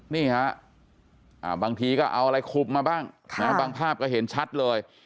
นี่ฮะบางทีก็เอาอะไรขุบมาบ้างบางภาพก็เห็นชัดเลย